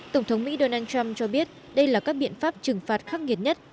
tổng thống mỹ donald trump cho biết đây là các biện pháp trừng phạt khắc nghiệt nhất